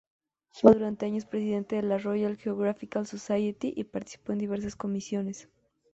Fue durante años presidente de la Royal Geographical Society y participó en diversas comisiones.